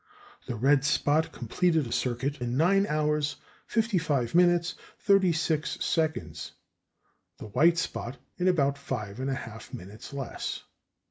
The red spot completed a circuit in nine hours fifty five minutes thirty six seconds; the white spot in about five and a half minutes less.